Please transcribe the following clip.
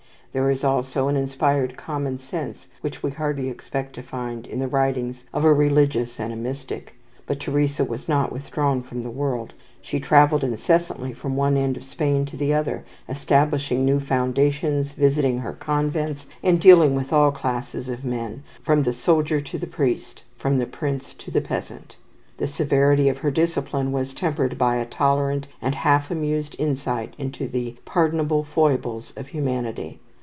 There is also an inspired common sense which we hardly expect to find in the writings of a religious and a mystic. But Teresa was not withdrawn from the world. She travelled incessantly from one end of Spain to the other, establishing new foundations, visiting her convents, and dealing with all classes of men, from the soldier to the priest, from the prince to the peasant. The severity of her discipline was tempered by a tolerant and half amused insight into the pardonable foibles of humanity.